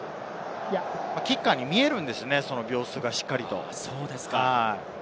キッカーに見えるんですよね、秒数がしっかりと。